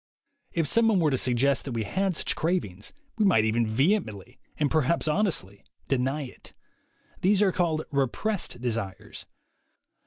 If someone were to suggest that we had such cravings we might even vehemently, and perhaps honestly, deny it. These are called "repressed" desires.